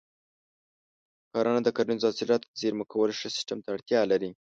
کرنه د کرنیزو حاصلاتو د زېرمه کولو ښه سیستم ته اړتیا لري.